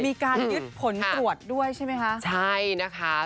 มีการยึดผลตรวจด้วยใช่ไหมคะใช่นะคะ